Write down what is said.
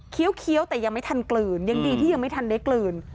เคี้ยวแต่ยังไม่ทันกลืนยังดีที่ยังไม่ทันได้กลืน